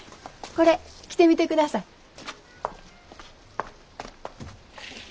これ着てみてください。